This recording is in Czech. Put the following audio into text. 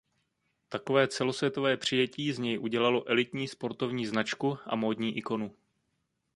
Takové celosvětové přijetí z něj udělalo elitní sportovní značku a módní ikonu.